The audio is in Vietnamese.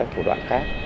thủ đoạn khác